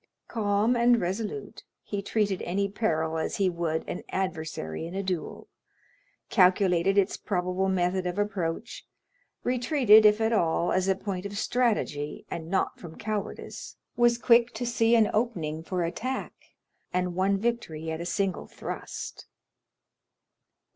Calm and resolute, he treated any peril as he would an adversary in a duel,—calculated its probable method of approach; retreated, if at all, as a point of strategy and not from cowardice; was quick to see an opening for attack, and won victory at a single thrust.